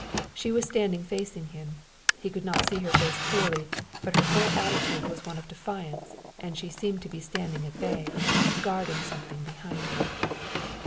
She was standing facing him; he could not see her face clearly, but her whole attitude was one of defiance, and she seemed to be standing at bay, guarding something behind her.